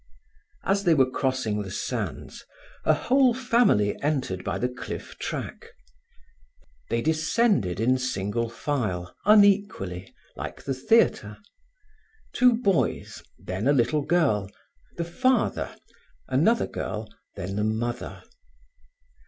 As they were crossing the sands, a whole family entered by the cliff track. They descended in single file, unequally, like the theatre; two boys, then a little girl, the father, another girl, then the mother.